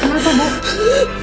ibu kenapa bu